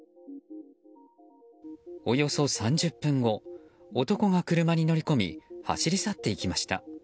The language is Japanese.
およそ３０分後男が車に乗り込み走り去っていきました。